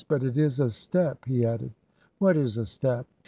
But it is a step " he added. " What is a step